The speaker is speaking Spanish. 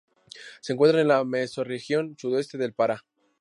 Se encuentra en la mesorregión Sudoeste del Pará.